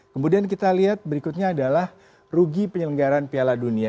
kemudian kita lihat berikutnya adalah rugi penyelenggaran piala dunia